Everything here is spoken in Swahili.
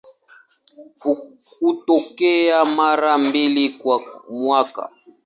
Hutokea mara mbili kwa mwaka.